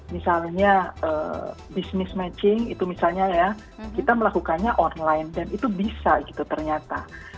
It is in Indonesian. misalnya business matching itu misalnya ya kita melakukannya online dan itu bisa gitu ternyata